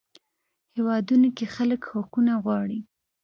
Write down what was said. هیوادونو کې خلک حقوق غواړي.